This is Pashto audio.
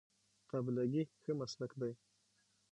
قابله ګي ښه مسلک دی